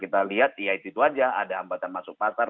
kita lihat ya itu saja ada hambatan masuk pasar